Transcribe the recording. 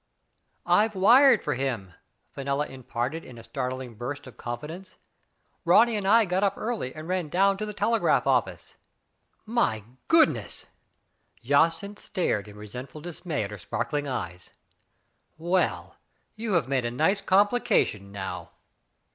"I've wired for him! Fenella imparted in a startling burst of confidence. "Ronny and I got up early and ran down to the telegraph office.*' My goodness!'' Jacynth stared in resentful dismay at her sparkling eyes. "Well ! you have made a nice complication, now."